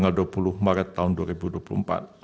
menetapkan perolehan suara hasil pemilihan umum